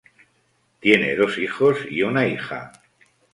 Tiene dos hijos y una hija.